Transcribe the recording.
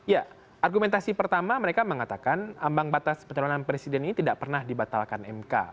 ya argumentasi pertama mereka mengatakan ambang batas pencalonan presiden ini tidak pernah dibatalkan mk